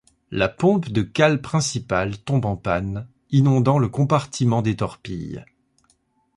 La pompe de cale principale tombe en panne, inondant le compartiment des torpilles.